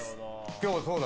今日、そうだ！